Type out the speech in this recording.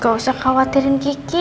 gak usah khawatirin kiki